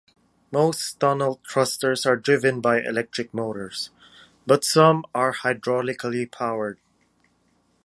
Most tunnel thrusters are driven by electric motors, but some are hydraulically powered.